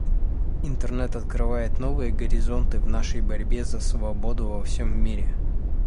Интернет открывает новые горизонты в нашей борьбе за свободу во всем мире.